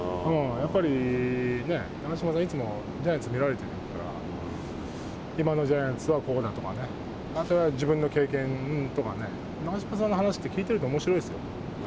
やっぱり長嶋さんはいつもジャイアンツを見られてるから今のジャイアンツはこうだとかね、自分の経験とかね長嶋さんの話って、聞いてるとおもしろいですよ。